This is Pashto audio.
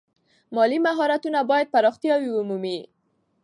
مالي مهارتونه باید پراختیا ومومي.